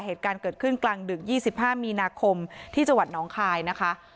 เหตุการณ์เกิดขึ้นกลางดึก๒๕มีนาคมที่จังหวัดน้องคายนะคะ